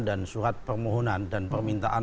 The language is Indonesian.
dan surat permohonan dan permintaan